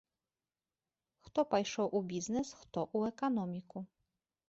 Хто пайшоў у бізнес, хто ў эканоміку.